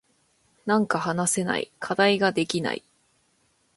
なんか話せない。課題ができない。